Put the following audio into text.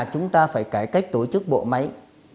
chúng ta phải cải cách tổ chức bộ máy